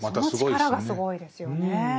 その力がすごいですよね。